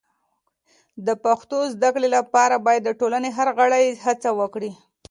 د پښتو د زده کړې لپاره باید د ټولنې هر غړی هڅه وکړي.